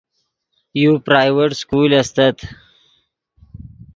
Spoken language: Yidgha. یو پرائیویٹ سکول استت